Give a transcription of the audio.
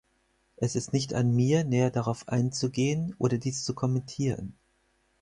Es ist nicht an mir, näher darauf einzugehen oder dies zu kommentieren.